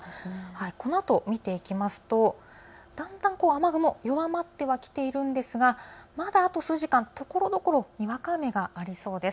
このあと見ていきますと、だんだん雨雲弱まってはきているんですがまた数時間ところどころにわか雨がありそうです。